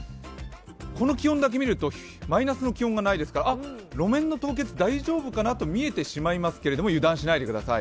この気温だけ見るとマイナスの気温がないですから路面の凍結大丈夫かなと見えてしまいますけど、油断しないでください。